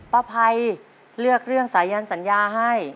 ภัยเลือกเรื่องสายันสัญญาให้